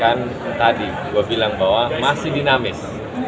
kan tadi gue bilang bahwa masih dinamis